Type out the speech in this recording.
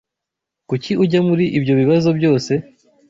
Kuki ujya muri ibyo bibazo byose?